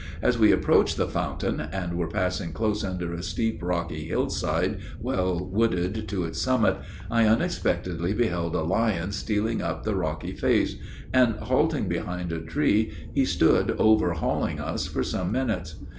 As we approached the fountain, and were passing close under a steep, rocky, hillside, well wooded to its summit, I unexpectedly beheld a lion stealing up the rocky face, and, halting behind a tree, he stood overhauling us for some minutes.